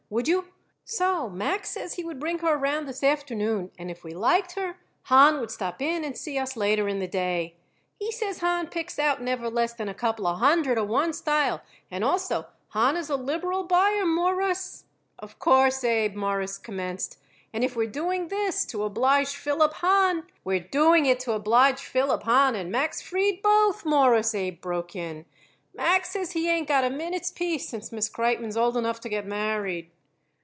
Would you? So, Max says he would bring her around this afternoon, and if we liked her Hahn would stop in and see us later in the day. He says Hahn picks out never less than a couple of hundred of one style, and also Hahn is a liberal buyer, Mawruss." "Of course, Abe," Morris commenced, "if we're doing this to oblige Philip Hahn " "We're doing it to oblige Philip Hahn and Max Fried both, Mawruss," Abe broke in. "Max says he ain't got a minute's peace since Miss Kreitmann is old enough to get married."